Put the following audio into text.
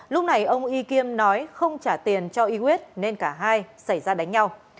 lúc này ông y kim nói không trả tiền cho y quyết nên cả hai xảy ra đánh nhau